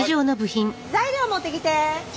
材料持ってきて。